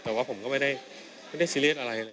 แต่ว่าผมก็ไม่ได้ซีเรียสอะไรเลย